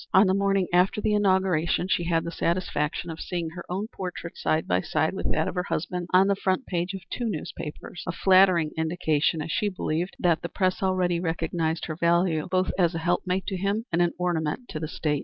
On the morning after the inauguration she had the satisfaction of seeing her own portrait side by side with that of her husband on the front page of two newspapers, a flattering indication, as she believed, that the press already recognized her value both as a helpmate to him and an ornament to the State.